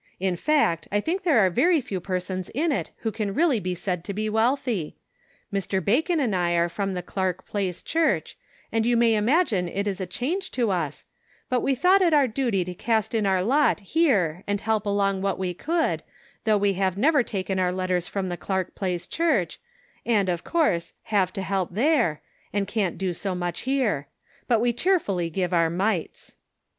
In fact, I think there are very few persons in it who can really be said to be wealthy. Mr. Cake Mathematically Considered. 71 Bacon and I are from the Clark Place Church, and you may imagine it is a change to us, but we thought it our duty to cast in our lot here and help along "what we could, though we have never taken our letters from the Clark Place Church, and, of course, have to help there, and can't do so much here ; but we cheerfully give our mites."